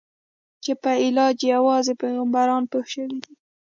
چې په علاج یې یوازې پیغمبران پوه شوي دي.